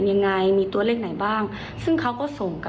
โอนครั้งแรกคือ๙๖๐บาทค่ะ